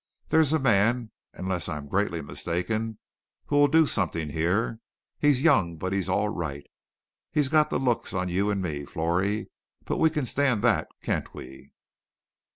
There's a man, unless I am greatly mistaken, will do something here. He's young but he's all right. He's got the looks on you and me, Florrie, but we can stand that, can't we?"